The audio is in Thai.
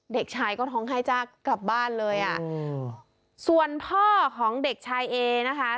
เด็กชายก็ท้องให้จ้ากลับบ้านเลยอ่ะอืมส่วนพ่อของเด็กชายเอนะคะ